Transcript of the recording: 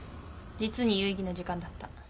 実に有意義な時間だった。